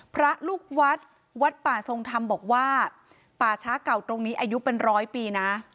พระลูกวัดวัดป่าทรงธรรมบอกว่าป่าช้าเก่าตรงนี้อายุเป็นร้อยปีนะ